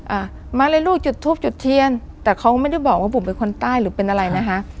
อ่ามาเลยลูกจุดทูปจุดเทียนแต่เขาไม่ได้บอกว่าผมเป็นคนใต้หรือเป็นอะไรนะคะ